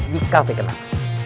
di cafe kenang